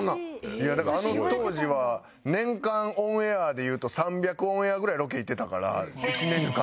いやだからあの当時は年間オンエアでいうと３００オンエアぐらいロケ行ってたから１年間で。